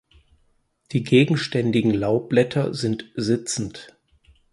Die gegenständigen Laubblätter sind sitzend.